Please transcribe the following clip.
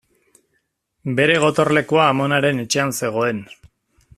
Bere gotorlekua amonaren etxean zegoen.